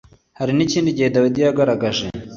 hari n ikindi gihe dawidi yagaragaje